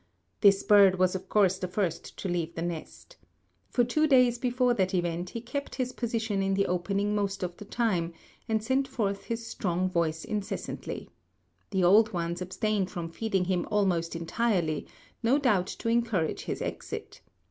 This bird was of course the first to leave the nest. For two days before that event he kept his position in the opening most of the time, and sent forth his strong voice incessantly. The old ones abstained from feeding him almost entirely, no doubt to encourage his exit.